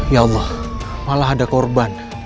ya allah malah ada korban